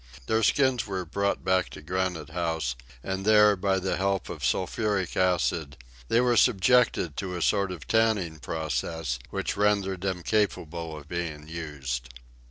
Their skins were brought back to Granite House, and there, by the help of sulphuric acid, they were subjected to a sort of tanning process which rendered them capable of being used.